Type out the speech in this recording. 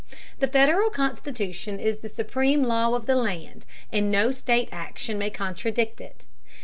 The Federal Constitution is the supreme law of the land, and no state action may contradict it.